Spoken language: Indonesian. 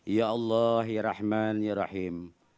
ya allah ya rahman ya rahim